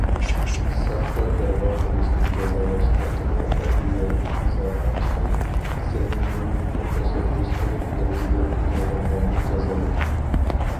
ساختا دەۋا قىلىشنى جازالاش ھەققىدە ئەدلىيەلىك ئىزاھات چىقىرىپ، سەمىمىيلىكنى تەشەببۇس قىلىپ، لەۋزىدە تۇرمىغانلارنى جازالىدۇق.